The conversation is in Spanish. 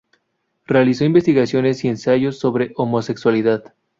Realizó investigaciones y ensayos sobre homosexualidad.